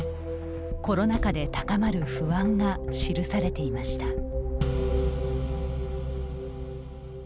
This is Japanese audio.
コロナ禍で高まる不安が記されていました。